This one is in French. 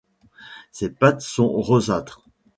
Ses pattes sont rosâtres.